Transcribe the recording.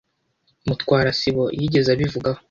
Mutwara sibo yigeze abivugaho.